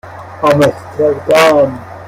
آمستردام